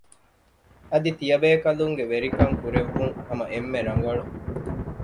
އަދި ތިޔަބޭކަލުންގެ ވެރިކަން ކުރެއްވުން ހަމަ އެންމެ ރަނގަޅު